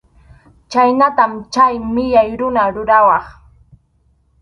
Chhaynatam chay millay runa rurawaq.